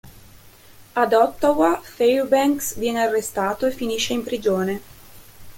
Ad Ottawa, Fairbanks viene arrestato e finisce in prigione.